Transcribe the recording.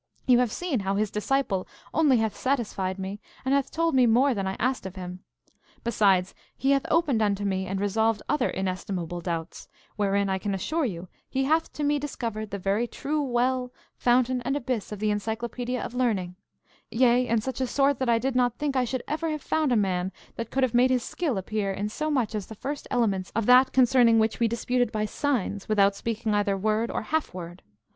You have seen how his disciple only hath satisfied me, and hath told me more than I asked of him. Besides, he hath opened unto me, and resolved other inestimable doubts, wherein I can assure you he hath to me discovered the very true well, fountain, and abyss of the encyclopaedia of learning; yea, in such a sort that I did not think I should ever have found a man that could have made his skill appear in so much as the first elements of that concerning which we disputed by signs, without speaking either word or half word.